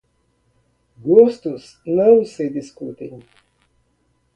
Gostos não se discutem.